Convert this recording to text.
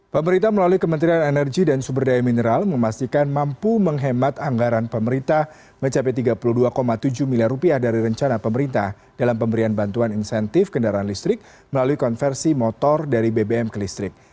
pemerintah melalui kementerian energi dan sumber daya mineral memastikan mampu menghemat anggaran pemerintah mencapai rp tiga puluh dua tujuh miliar rupiah dari rencana pemerintah dalam pemberian bantuan insentif kendaraan listrik melalui konversi motor dari bbm ke listrik